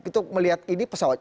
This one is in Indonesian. itu melihat ini pesawat